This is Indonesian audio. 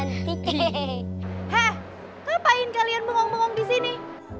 ngapain kalian bengong bengong disini